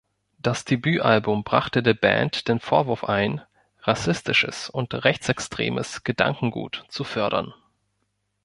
Das Debütalbum brachte der Band den Vorwurf ein, rassistisches und rechtsextremes Gedankengut zu fördern.